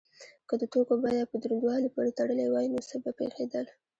که د توکو بیه په دروندوالي پورې تړلی وای نو څه به پیښیدل؟